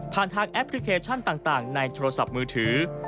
ทางแอปพลิเคชันต่างในโทรศัพท์มือถือ